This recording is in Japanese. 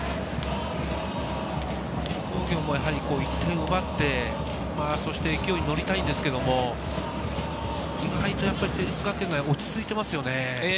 津工業も１点を奪って、勢いに乗りたいんですけれども、意外と成立学園が落ち着いていますよね。